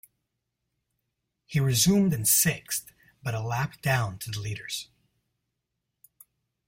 He resumed in sixth but a lap down to the leaders.